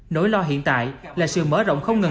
nỗi lo hiện tại là sự mở rộng không ngừng